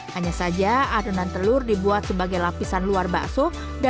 hanya saja adonan telur dibuat sebagai lapisan luar bakso